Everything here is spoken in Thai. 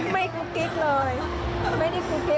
ไม่คลุกกิ๊กเลยไม่ได้คลุกกิ๊ก